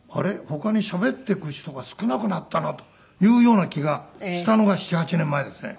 他にしゃべっていく人が少なくなったな」というような気がしたのが７８年前ですね。